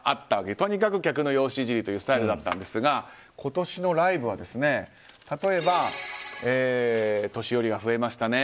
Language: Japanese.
とにかく客の容姿いじりというスタイルだったんですが今年のライブは例えば、年寄りが増えましたね。